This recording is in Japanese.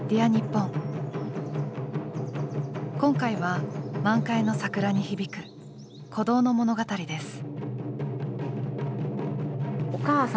今回は満開の桜に響く鼓動の物語です。